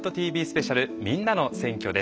スペシャルみんなの選挙」です。